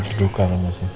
lagi berduka mas